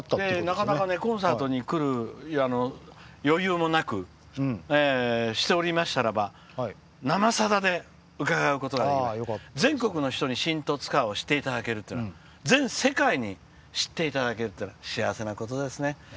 なかなかコンサートに来る余裕もなくしておりましたらば「生さだ」で伺うことができて全国の人に新十津川を知っていただける全世界に知っていただけるって幸せなことですね。